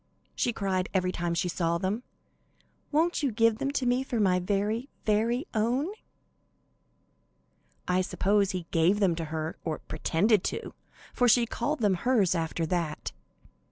she cried every time she saw them. "Won't you give them to me for my very, very own?" I suppose he gave them to her, or pretended to, for she called them hers after that.